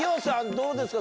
どうですか？